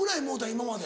今まで。